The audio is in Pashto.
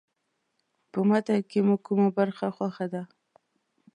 په متن کې مو کومه برخه خوښه ده.